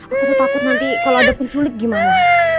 aku tuh takut nanti kalau ada penculik gimana